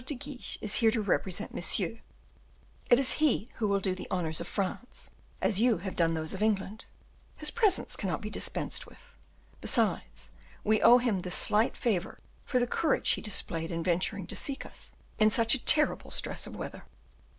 de Guiche is here to represent Monsieur; it is he who will do the honors of France, as you have done those of England; his presence cannot be dispensed with; besides, we owe him this slight favor for the courage he displayed in venturing to seek us in such a terrible stress of weather."